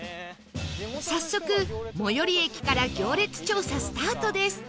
早速最寄り駅から行列調査スタートです